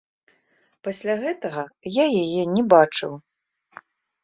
Пасля гэтага я яе не бачыў.